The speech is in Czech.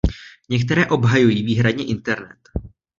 Některé obhajují výhradně internet.